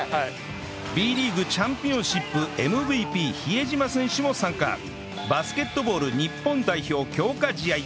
Ｂ リーグチャンピオンシップ ＭＶＰ 比江島選手も参加バスケットボール日本代表強化試合